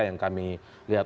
yang kami lihat